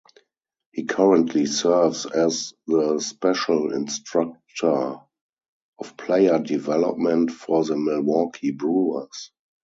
He currently serves as the special instructor of player development for the Milwaukee Brewers.